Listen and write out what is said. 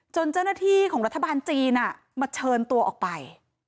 เจ้าหน้าที่ของรัฐบาลจีนมาเชิญตัวออกไป